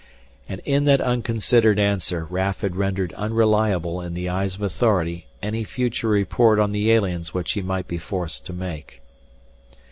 And in that unconsidered answer Raf had rendered unreliable in the eyes of authority any future report on the aliens which he might be forced to make.